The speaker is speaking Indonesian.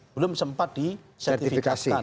belum sempat disertifikasi